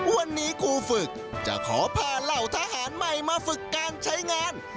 วันนี้ครูฝึกจะขอพาเหล่าทหารใหม่มาฝึกการใช้งาน